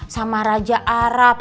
sama raja arab